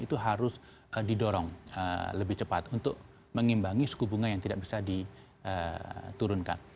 itu harus didorong lebih cepat untuk mengimbangi suku bunga yang tidak bisa diturunkan